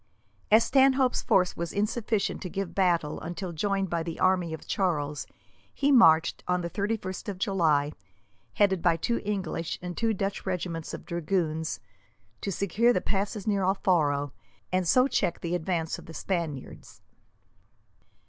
As Stanhope's force was insufficient to give battle until joined by the main army of Charles, he marched, on the 31st of July, headed by two English and two Dutch regiments of dragoons, to secure the passes near Alfaro, and so check the advance of the Spaniards.